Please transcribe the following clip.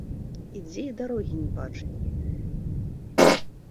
Ідзе і дарогі не бачыць.